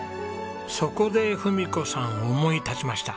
そこで郁子さん思い立ちました。